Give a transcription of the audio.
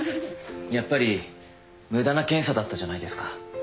やっぱり無駄な検査だったじゃないですか